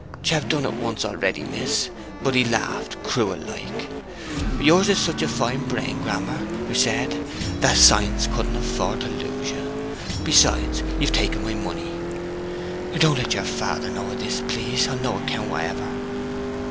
"'Ch have done it once already, miss. But he laughed cruel like. 'Yours is such a fine brain, Grammer,' 'er said, 'that science couldn't afford to lose you. Besides, you've taken my money.'...Don't let your father know of this, please, on no account whatever!"